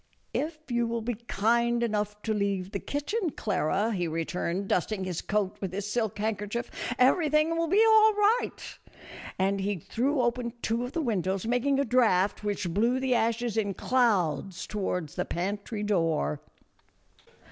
" If you will be kind enough to leave the kitchen, Clara," he returned, dusting his coat with his silk handkerchief, " everything will be all right ;" and he threw open two of the windows, making a draught which blew the ashes in clouds toward the pantry door.